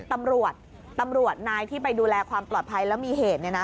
ตำรวจตำรวจนายที่ไปดูแลความปลอดภัยแล้วมีเหตุเนี่ยนะ